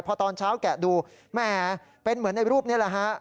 พอตอนเช้าแกะดูแหมเป็นเหมือนในรูปนี้แหละฮะ